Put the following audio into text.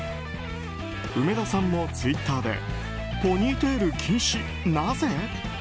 梅田さんもツイッターでポニーテール禁止、なぜ？